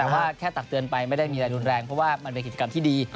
แต่ว่าแค่ตักเตือนไปไม่ได้มีอะไรรุนแรงเพราะว่ามันเป็นกิจกรรมที่ดี